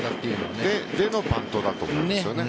でのバントだと思うんですよね。